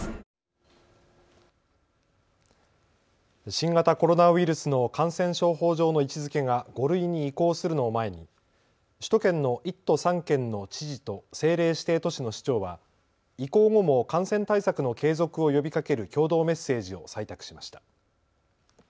新型コロナウイルスの感染症法上の位置づけが５類に移行するのを前に首都圏の１都３県の知事と政令指定都市の市長は移行後も感染対策の継続を呼びかける共同メッセージを採択しました。